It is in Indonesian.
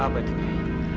apa itu nyai